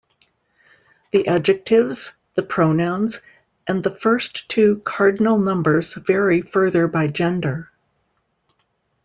The adjectives, the pronouns, and the first two cardinal numbers vary further by gender.